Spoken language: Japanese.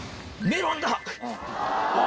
メロンだ。